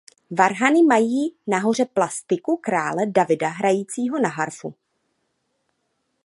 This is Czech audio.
Varhany mají nahoře plastiku krále Davida hrajícího na harfu.